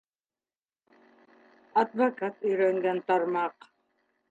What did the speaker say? Адвокат өйрәнгән тармаҡ.